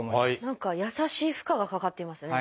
何か優しい負荷がかかっていますよね